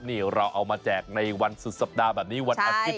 นี่เราเอามาแจกในวันสุดสัปดาห์แบบนี้วันอาทิตย